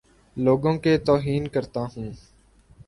لوگوں کے توہین کرتا ہوں